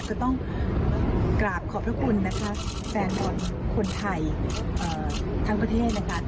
ก็ต้องกราบขอบพระคุณนะคะแฟนบอลคนไทยทั้งประเทศนะคะ